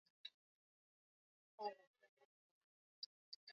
namna wachambuzi wa maswala ya kisiasa wanavyosema